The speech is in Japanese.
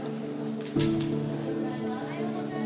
おはようございます。